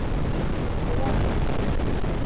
Ҡыуан!